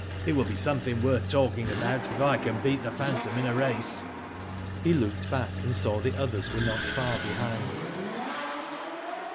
"It will be something worth talking about if I can beat the phantom in a race." He looked back, and saw the others were not far behind.